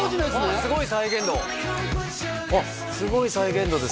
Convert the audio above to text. すごい再現度当時のやつねあっすごい再現度です